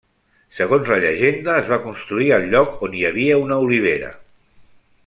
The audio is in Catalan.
Segons la llegenda es va construir al lloc on hi havia una olivera.